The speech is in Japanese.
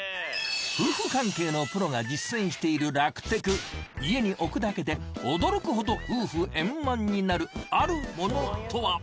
夫婦関係のプロが実践している楽テク家に置くだけで驚くほど夫婦円満になるあるものとは？